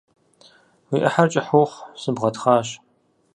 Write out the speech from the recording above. Уи Ӏыхьэр кӀыхь ухъу, сыбгъэтхъащ!